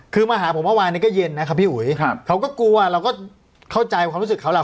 คือมาหาผมเมื่อวานนี้ก็เย็นนะครับพี่อุ๋ยเขาก็กลัวเราก็เข้าใจความรู้สึกเขาแหละ